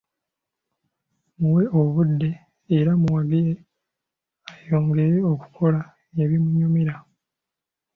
Muwe obudde era muwagire ayongere okukola ebimunyumira.